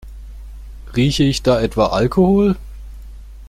Rieche ich da etwa Alkohol?